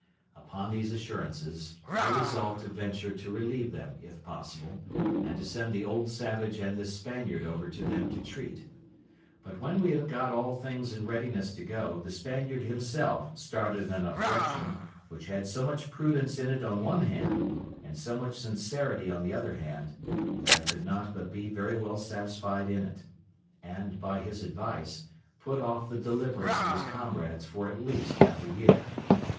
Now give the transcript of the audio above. Upon these assurances, I resolved to venture to relieve them, if possible, and to send the old savage and this Spaniard over to them to treat. But when we had got all things in readiness to go, the Spaniard himself started an objection, which had so much prudence in it on one hand, and so much sincerity on the other hand, that I could not but be very well satisfied in it; and, by his advice, put off the deliverance of his comrades for at least half a year.